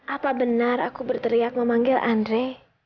apa benar aku berteriak memanggil andre